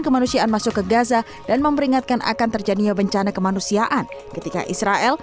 kemanusiaan masuk ke gaza dan memberingatkan akan terjadinya bencana kemanusiaan ketika israel